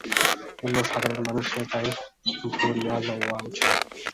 অন্য সাধারণ মানুষের তাই ধরিয়ালওয়া উচিত।